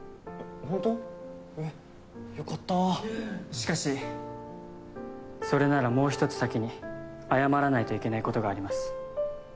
しかしそれならもう一つ先に謝らないといけないことがあります。